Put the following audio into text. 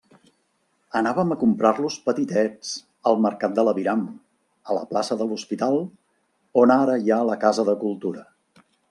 Anàvem a comprar-los petitets, al mercat de l'aviram, a la plaça de l'Hospital, on ara hi ha la Casa de Cultura.